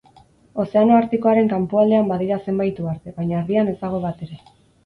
Ozeano Artikoaren kanpoaldean badira zenbait uharte, baina erdian ez dago batere.